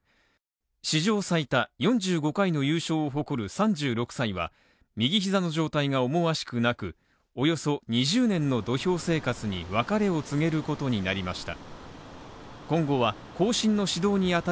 史上最多４５回の優勝を誇る３６歳は、右膝の状態が思わしくなく、およそ２０年の土俵生活に別れを告げることになりました。